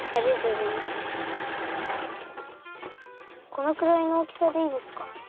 このくらいのおおきさでいいですか？